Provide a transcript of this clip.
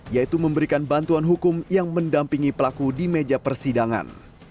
yaitu memberikan bantuan hukum yang mendampingi pelaku di meja persidangan